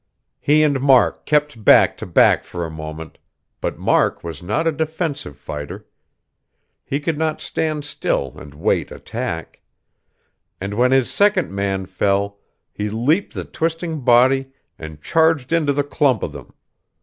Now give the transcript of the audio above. He and Mark kept back to back for a moment; but Mark was not a defensive fighter. He could not stand still and wait attack; and when his second man fell, he leaped the twisting body and charged into the clump of them.